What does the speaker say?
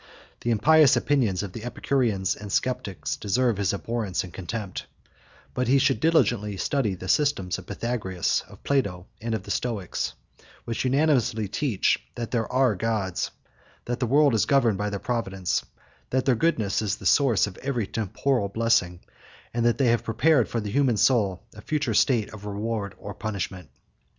The impious opinions of the Epicureans and sceptics deserve his abhorrence and contempt; 38 but he should diligently study the systems of Pythagoras, of Plato, and of the Stoics, which unanimously teach that there are gods; that the world is governed by their providence; that their goodness is the source of every temporal blessing; and that they have prepared for the human soul a future state of reward or punishment."